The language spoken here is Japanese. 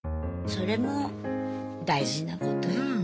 それも大事なことよ。